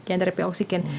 yang terapi oksigen